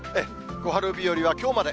小春日和はきょうまで。